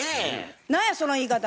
何やその言い方。